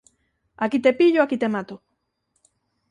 Aquí te pillo, aquí te mato